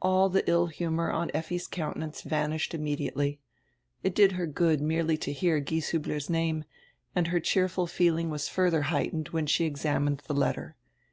All the ill humor on Fffi's countenance vanished imme diately. It did her good merely to hear Gieshiibler's name, and her cheerful feeling was further heightened when she examined die letter.